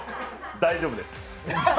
大丈夫です。